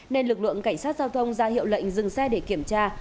nên lực lượng cảnh sát giao thông ra hiệu lệnh dừng xe để kiểm tra